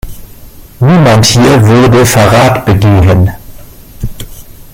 Niemand hier würde Verrat begehen.